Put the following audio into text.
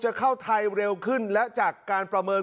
เข้าไทยเร็วขึ้นและจากการประเมิน